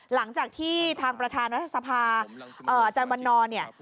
หลังจากที่ทางประธานรัฐสภาอาจารย์วันนอร์เนี่ย